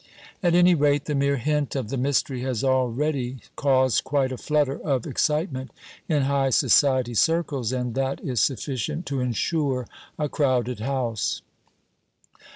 At any rate, the mere hint of the mystery has already caused quite a flutter of excitement in high society circles and that is sufficient to insure a crowded house."